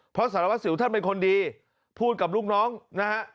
เพราะสารวัสสิวท่านเป็นคนดีพูดกับลูกน้องนะฮะ